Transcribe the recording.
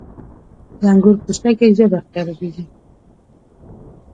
• د انګور پوستکی ژر خرابېږي.